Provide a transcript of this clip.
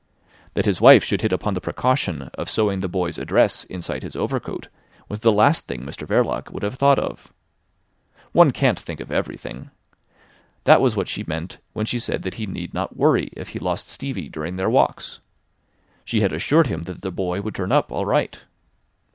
That his wife should hit upon the precaution of sewing the boy's address inside his overcoat was the last thing Mr Verloc would have thought of. One can't think of everything. That was what she meant when she said that he need not worry if he lost Stevie during their walks. She had assured him that the boy would turn up all right.